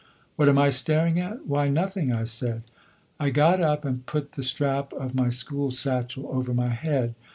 "What am I staring at? Why, nothing," I said. I got up and put the strap of my school satchel over my head.